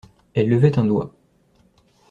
Elle levait un doigt.